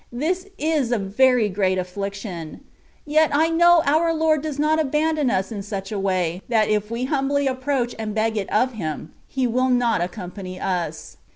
This is a very great aflSiction. Yet I know our Lord does not abandon us in such a way, that if we humbly approach and beg it of Him, He will not accompany us.